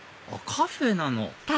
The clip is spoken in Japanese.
カフェなの？